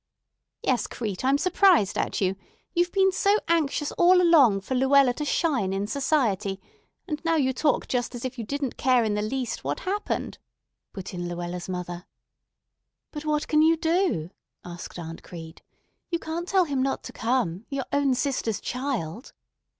"Yes, Crete, I'm surprised at you. You've been so anxious all along for Luella to shine in society, and now you talk just as if you didn't care in the least what happened," put in Luella's mother. "But what can you do?" asked Aunt Crete. "You can't tell him not to come—your own sister's child!"